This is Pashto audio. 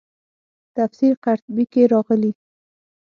تفسیر قرطبي کې راغلي.